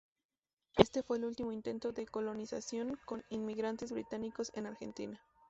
Este fue el último intento de 'colonización' con inmigrantes británicos en Argentina.